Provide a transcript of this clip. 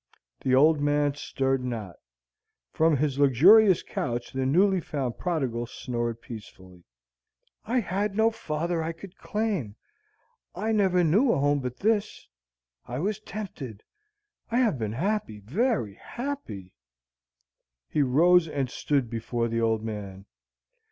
The old man stirred not. From his luxurious couch the newly found prodigal snored peacefully. "I had no father I could claim. I never knew a home but this. I was tempted. I have been happy, very happy." He rose and stood before the old man.